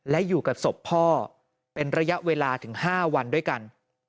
และอยู่กับศพพ่อเป็นระยะเวลาถึง๕วันด้วยกัน